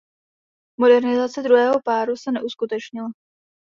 Modernizace druhého páru se neuskutečnila.